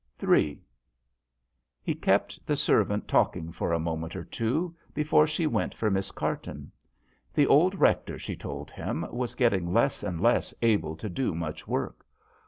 III. E kept the servant talk ing for a moment or two before she went for Miss Carton. The old rector, she told him, was getting less and less able to do much work.